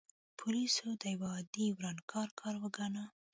پولیسو دا یو عادي ورانکار کار وګاڼه.